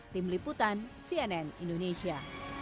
tim liputan cnn indonesia